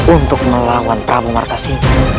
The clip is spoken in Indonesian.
untuk melawan prabu martasi